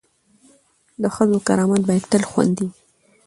د ښځو کرامت باید تل خوندي وي.